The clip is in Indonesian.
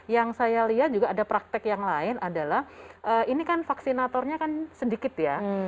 yang saya lihat juga ada praktek yang lain adalah ini kan vaksinatornya kan sedikit ya